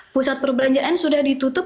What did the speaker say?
pusat perbelanjaan sudah ditutup